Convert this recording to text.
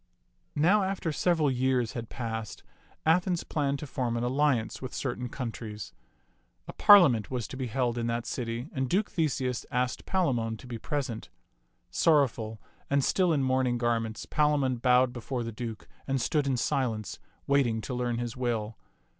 Now after several years had passed, Athens planned to form an alliance with certain countries. A parlia ment was to be held in that city, and Duke Theseus asked Palamon to be present. Sorrowful and still in mourning garments, Palamon bowed before the Duke and stood in silence, waiting to learn his will.